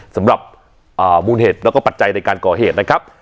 สำหรับมูลเหตุแล้วก็ปัจจัยในการก่อเหตุนะครับ